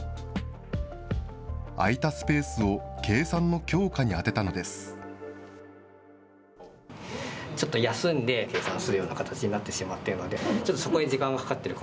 空いたスペースを計算の強化に充てたのです。